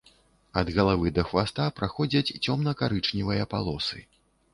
Ад галавы да хваста праходзяць цёмна-карычневыя палосы.